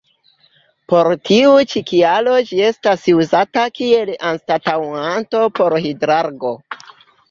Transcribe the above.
Por tiu ĉi kialo ĝi estas uzata kiel anstataŭanto por Hidrargo.